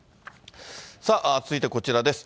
さあ続いてこちらです。